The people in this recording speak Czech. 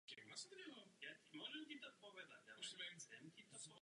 Harmonie a melodie se v nich místy různí.